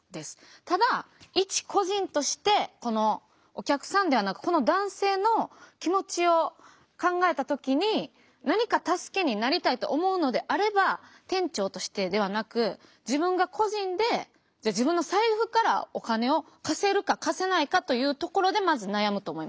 ただ一個人としてこのお客さんではなくこの男性の気持ちを考えた時に何か助けになりたいと思うのであれば店長としてではなく自分が個人で自分の財布からお金を貸せるか貸せないかというところでまず悩むと思います。